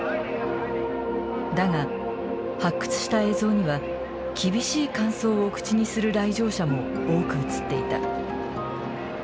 だが発掘した映像には厳しい感想を口にする来場者も多く映っていた。